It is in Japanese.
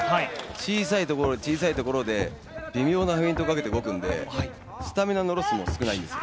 小さいところ、小さいところで微妙なフェイントかけて動くんでスタミナのロスも少ないんですよ。